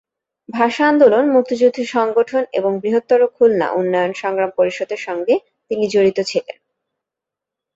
ভাষা আন্দোলন, মুক্তিযুদ্ধের সংগঠন এবং বৃহত্তর খুলনা উন্নয়ন সংগ্রাম পরিষদের সঙ্গে তিনি জড়িত ছিলেন।